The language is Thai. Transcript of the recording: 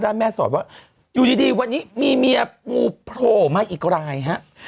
แม่สอดว่าอยู่ดีวันนี้มีเมียงูโผล่มาอีกรายฮะ